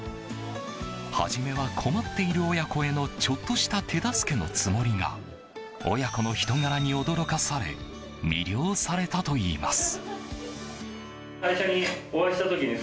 初めは困っている親子へのちょっとした手助けのつもりが親子の人柄に驚かされ魅了されたといいます。